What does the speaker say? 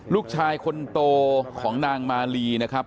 ลูกชายคนโตของนางมาลีนะครับ